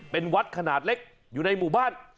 เป็นวัดขนาดเล็กอยู่ในหมู่บ้าน